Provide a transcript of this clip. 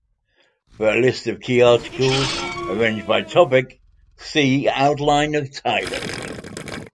For a list of key articles arranged by topic, see Outline of Thailand.